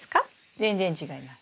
全然違います。